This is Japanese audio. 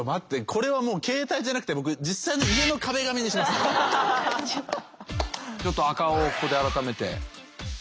これはもう携帯じゃなくて僕実際のちょっと赤青をここで改めて。